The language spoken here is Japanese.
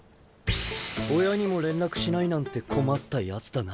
親にも連絡しないなんて困ったやつだな。